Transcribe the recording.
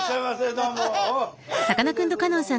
どうも。